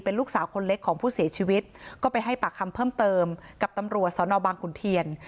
ลูกสาวคนเล็กของผู้เสียชีวิตก็ไปให้ปากคำเพิ่มเติมกับตำรวจสอนอบางขุนเทียน